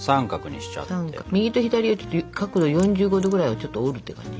右と左を角度４５度ぐらいをちょっと折るって感じ。